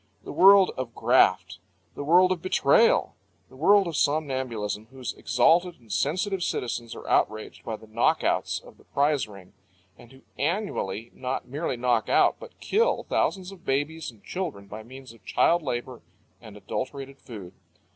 The world of graft! The world of betrayal! The world of somnambulism, whose exalted and sensitive citizens are outraged by the knockouts of the prize ring, and who annually not merely knock out, but kill, thousands of babies and children by means of child labour and adulterated food.